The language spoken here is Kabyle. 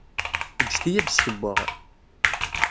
Ǧǧet-iyi ad d-ssewweɣ.